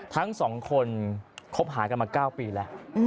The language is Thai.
ทั้งสองคนคบหากันมา๙ปีแล้ว